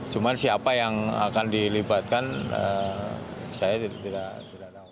cuma siapa yang akan dilibatkan saya tidak tahu